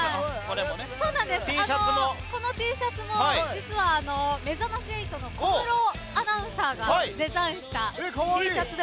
このＴシャツも実は「めざまし８」の小室アナウンサーがデザインしたＴシャツで。